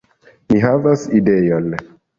Mi havas ideon!